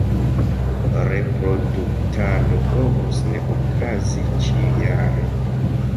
Reproduktado povus ne okazi ĉiujare.